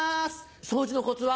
掃除のコツは？